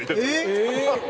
えっ！